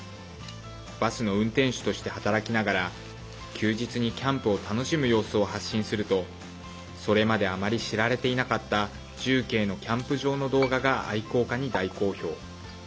バスの運転手として働きながら休日にキャンプを楽しむ様子を発信するとそれまであまり知られていなかった重慶のキャンプ場の動画が愛好家に大好評。